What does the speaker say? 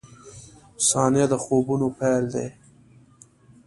• ثانیه د خوبونو پیل دی.